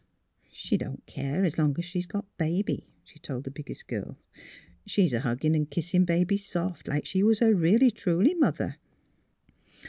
'' She don't care, as long's she's got Baby," she told the biggest girl. " She's huggin' an' kissin' Baby soft, like she was her really truly mother.